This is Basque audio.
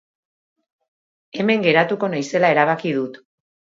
Hemen geratuko naizela erabaki dut.